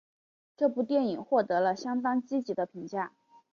这部电影获得了相当积极的评价。